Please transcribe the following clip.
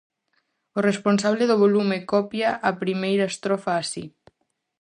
O responsable do volume copia a primeira estrofa así: